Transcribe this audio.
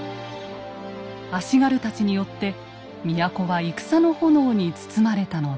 足軽たちによって都は戦の炎に包まれたのです。